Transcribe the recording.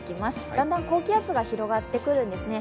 だんだん高気圧が広がっていくんですね。